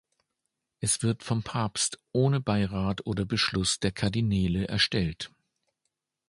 Es wird vom Papst ohne Beirat oder Beschluss der Kardinäle erstellt.